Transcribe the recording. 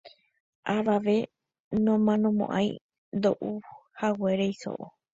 Avave nomanomo'ãi ndo'uihaguére so'o.